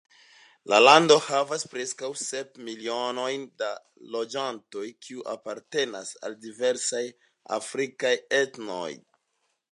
La lando havas preskaŭ sep milionojn da loĝantoj, kiuj apartenas al diversaj afrikaj etnoj.